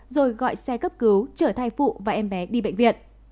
rồi gọi xe cấp cứu chở thai phụ và em bé đi bệnh viện